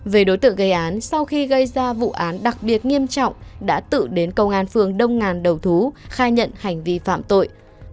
về đối tượng gây án sau khi gây ra vụ án đặc biệt nghiêm trọng đã tự đến công an phường đông ngàn đầu thú khai nhận hành vi phạm tội